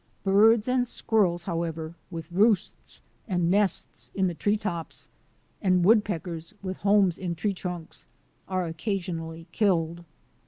Birds and squirrels, however, with roosts and nests in the tree tops, and wood peckers with homes in tree trunks, are occasionally killed.